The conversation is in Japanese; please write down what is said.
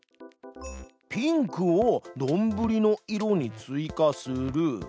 「ピンクをどんぶりの色に追加する」。